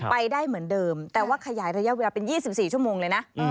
ไปได้เหมือนเดิมแต่ว่าขยายระยะเวลาเป็น๒๔ชั่วโมงเลยนะ